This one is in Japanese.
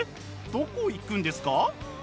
どこ行くんですか？